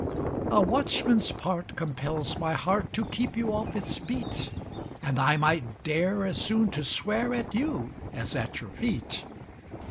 A watchman's part compels my heart To keep you off its beat, And I might dare as soon to swear At you, as at your feet.